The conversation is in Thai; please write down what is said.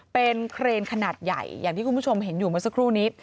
เป็นเครนขนาดใหญ่อย่างที่คุณผู้ชมเห็นอยู่เมื่อสักครู่นี้